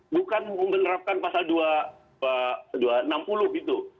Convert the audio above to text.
bukan membenerapkan pasal dua ratus enam puluh gitu